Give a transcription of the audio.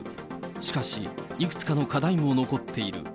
しかし、いくつかの課題も残っている。